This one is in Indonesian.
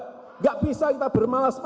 tidak bisa kita bermanja manja